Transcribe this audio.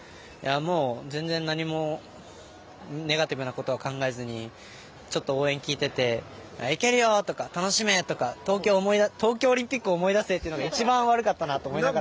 全然、何もネガティブなことは考えずにちょっと応援を聞いていていけるよ！とか、楽しめとか東京オリンピックを思い出せっていうのが一番悪かったなと思いながら。